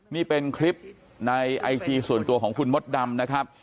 นี่เป็นคลิปในไอจีส่วนตัวของคุณมดดำนะครับ